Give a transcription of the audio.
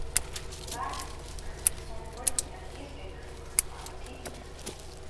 Lasker started working as a newspaper reporter while a teenager.